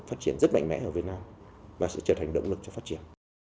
phát triển rất mạnh mẽ ở việt nam và sẽ trở thành động lực cho phát triển